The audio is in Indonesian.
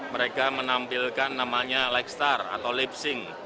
mereka menampilkan namanya legstar atau lip sync